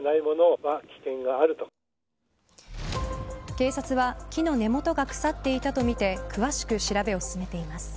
警察は木の根元が腐っていたとみて詳しく調べを進めています。